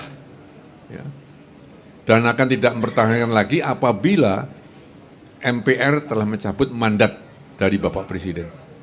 nah dan akan tidak mempertahankan lagi apabila mpr telah mencabut mandat dari bapak presiden